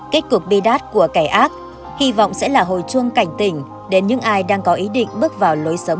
kết cuộc bi đát của kẻ ác hy vọng sẽ là hồi chuông cảnh tỉnh đến những ai đang có ý định bước vào lối sống sai lầm